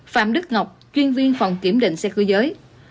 phạm đức ngọc chuyên viên phòng kiểm định xe cơ giới